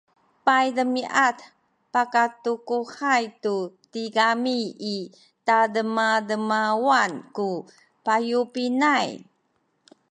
paydemiad pakatukuhay tu tigami i tademademawan ku payubinay